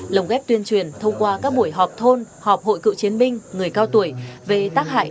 lồng ghép tuyên truyền thông qua các buổi họp thôn họp hội cựu chiến binh người cao tuổi về tác hại